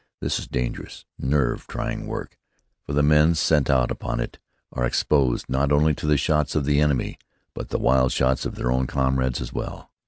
This is dangerous, nerve trying work, for the men sent out upon it are exposed not only to the shots of the enemy, but to the wild shots of their own comrades as well.